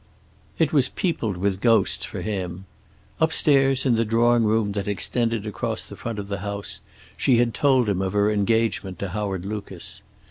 It was peopled with ghosts, for him. Upstairs, in the drawing room that extended across the front of the house, she had told him of her engagement to Howard Lucas.